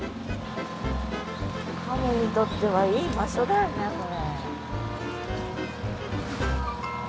カモにとってはいい場所だよねこれ。